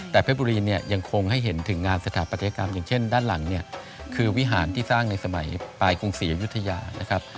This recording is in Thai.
แต่เพชรบุรีเนี่ยยังคงให้เห็นถึงงานสถาปัตยกรรมอย่างเช่นด้านหลังเนี่ยคือวิหารที่สร้างในสมัยปลายกรุงศรีอยุธยานะครับ